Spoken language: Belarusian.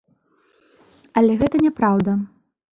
Але гэта не праўда.